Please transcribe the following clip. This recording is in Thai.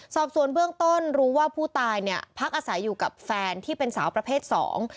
สอบสวนเบื้องต้นรู้ว่าผู้ตายเนี่ยพักอาศัยอยู่กับแฟนที่เป็นสาวประเภทสอง